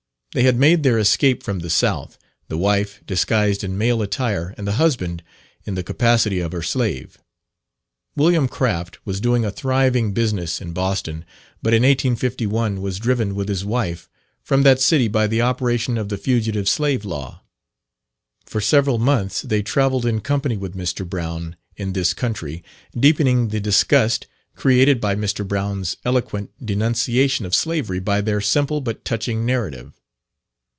They had made their escape from the South, the wife disguised in male attire, and the husband in the capacity of her slave. William Craft was doing a thriving business in Boston, but in 1851 was driven with his wife from that city by the operation of the Fugitive Slave Law. For several months they travelled in company with Mr. Brown in this country, deepening the disgust created by Mr. Brown's eloquent denunciation of slavery by their simple but touching narrative.